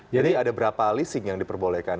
jadi ada berapa leasing yang diperbolehkan